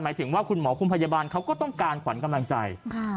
ถึงว่าคุณหมอคุณพยาบาลเขาก็ต้องการขวัญกำลังใจ